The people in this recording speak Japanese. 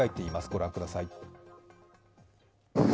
ご覧ください。